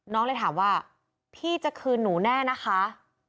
เลยถามว่าพี่จะคืนหนูแน่นะคะ